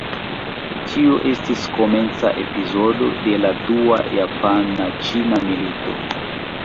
Tio estis komenca epizodo de la Dua japana-ĉina milito.